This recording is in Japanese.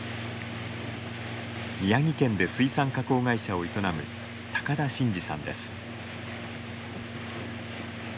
宮城県で水産加工会社を営む高田慎司さんです。